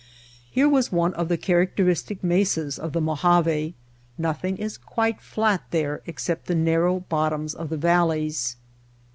Here was one of the characteristic mesas of the Mojave; nothing is quite fiat there except the narrow bottoms of the valleys.